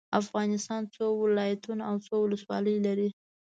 افغانستان څو ولايتونه او څو ولسوالي لري؟